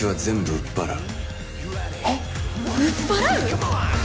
売っ払う？